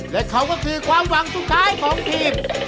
และเขาก็คือความหวังสุดท้ายของทีม